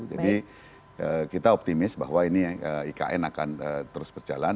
jadi kita optimis bahwa ini ikn akan terus berjalan